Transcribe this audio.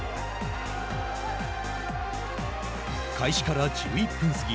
開始から１１分過ぎ。